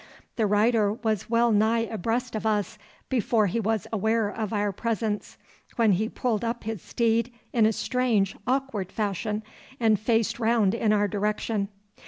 The rider was well nigh abreast of us before he was aware of our presence, when he pulled up his steed in a strange, awkward fashion, and faced round in our direction.